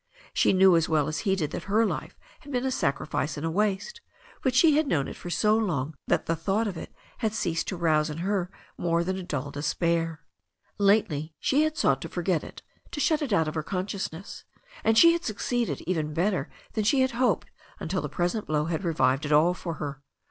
She knew as well as he did that her life had been a sacrifice and a waste, but she had known it for so long that the thought of it had ceased to rouse in her more than a dull despair. Lately she had sought to forget it, to shut it out of her consciousness, and she had succeeded even better than she had hoped until the present blow had revived it all for her.